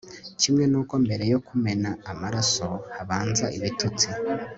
kimwe n'uko mbere yo kumena amaraso, habanza ibitutsi